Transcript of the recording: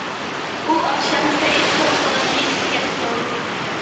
ئۇ ئاخشام سەئىد پورتىغا يېتىپ كەپتۇ.